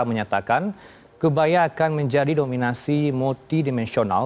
menyatakan kebaya akan menjadi dominasi multidimensional